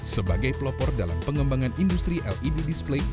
sebagai pelopor dalam pengembangan industri led display